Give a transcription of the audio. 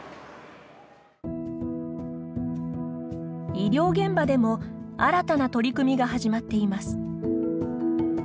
医療現場でも新たな取り組みが始まっています。